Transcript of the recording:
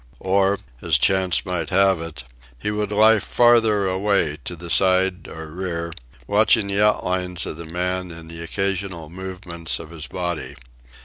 Or, as chance might have it, he would lie farther away, to the side or rear, watching the outlines of the man and the occasional movements of his body.